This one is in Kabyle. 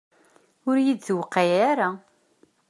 Ur yi-d-tuqiɛ ara.